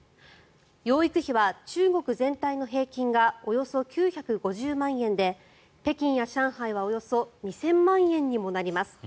養育費は中国全体の平均がおよそ９５０万円で北京や上海はおよそ２０００万円にもなります。